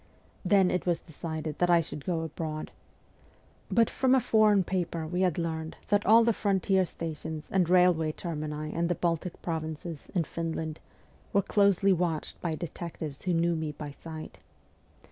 Then it was decided that I should go abroad. But from a foreign paper we had learned that all the frontier stations and railway termini in the Baltic provinces and Finland were closely watched by detectives who knew me by sight.